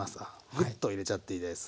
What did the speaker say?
グッと入れちゃっていいです。